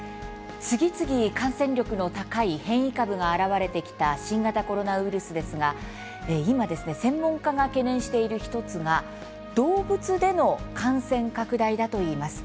次々、感染力の高い変異株が現れてきた新型コロナウイルスですが今、専門家が懸念している１つが動物での感染拡大だといいます。